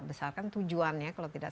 besar kan tujuannya kalau tidak